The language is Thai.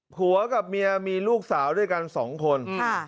ผัวกับเมียมีลูกสาวด้วยกันสองคน